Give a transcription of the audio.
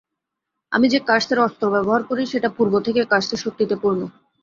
আমি যে কার্সের অস্ত্র ব্যবহার করি সেটা পূর্ব থেকে কার্সের শক্তিতে পুর্ণ।